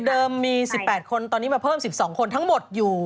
คือเดิมมีสิบแปดคนตอนนี้มาเพิ่มสิบสองคนทั้งหมดอยู่